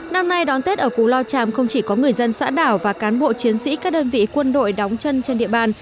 năm nay đón tết ở cú lao chàm không chỉ có người dân xã đảo và cán bộ chiến sĩ các đơn vị quân đội đóng chân trên địa bàn